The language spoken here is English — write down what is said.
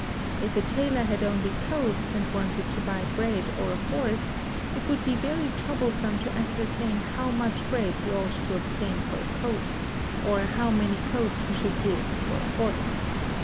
If a tailor had only coats, and wanted to buy bread or a horse, it would be very troublesome to ascertain how much bread he ought to obtain for a coat, or how many coats he should give for a horse.